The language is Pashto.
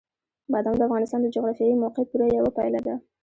بادام د افغانستان د جغرافیایي موقیعت پوره یوه پایله ده.